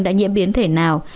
đã nhiễm biến thể nào